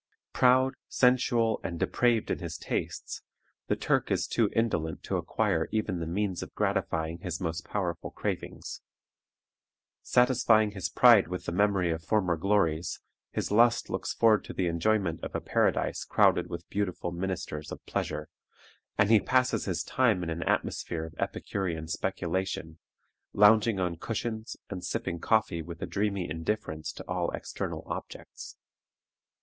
Proud, sensual, and depraved in his tastes, the Turk is too indolent to acquire even the means of gratifying his most powerful cravings. Satisfying his pride with the memory of former glories, his lust looks forward to the enjoyment of a paradise crowded with beautiful ministers of pleasure, and he passes his time in an atmosphere of Epicurean speculation, lounging on cushions and sipping coffee with a dreamy indifference to all external objects.